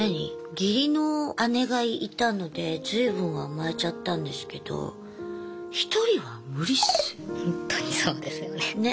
義理の姉がいたので随分甘えちゃったんですけどほんとにそうですよね。ね。